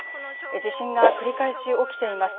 地震が繰り返し起きています。